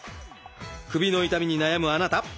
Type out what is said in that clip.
首の痛みに悩むあなた